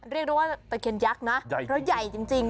เรียกได้ว่าตะเคียนยักษ์นะใหญ่เพราะใหญ่จริง